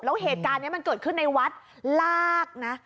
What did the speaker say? แล้วเหตุการณ์นี้มันเกิดขึ้นในวัดลากนะ